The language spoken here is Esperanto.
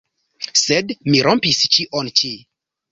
Sed mi rompis ĉion ĉi.